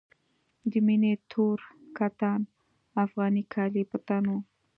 د مينې تور کتان افغاني کالي په تن وو.